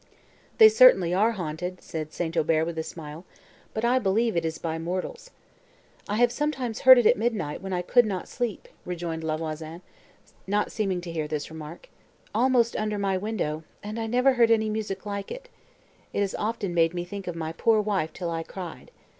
"They certainly are haunted," said St. Aubert with a smile, "but I believe it is by mortals." "I have sometimes heard it at midnight, when I could not sleep," rejoined La Voisin, not seeming to notice this remark, "almost under my window, and I never heard any music like it. It has often made me think of my poor wife till I cried.